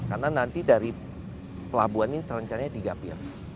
karena nanti dari pelabuhan ini terencana tiga pier